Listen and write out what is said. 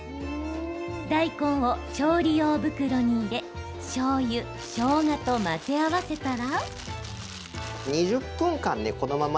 大根を調理用袋に入れ、しょうゆしょうがと混ぜ合わせたら。